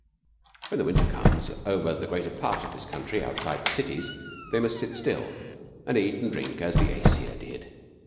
When their winter comes, over the greater part of this country outside the cities they must sit still, and eat and drink as the Aesir did.